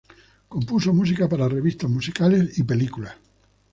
Compuso música para revistas musicales y películas.